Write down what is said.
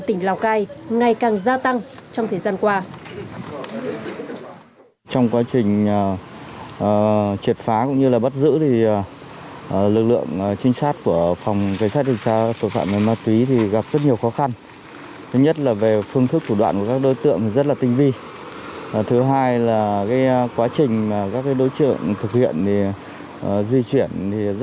tỉnh lào cai ngày càng gia tăng trong thời gian qua